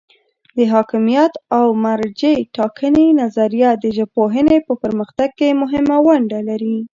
د حاکمیت او مرجع ټاکنې نظریه د ژبپوهنې په پرمختګ کې مهمه ونډه لري.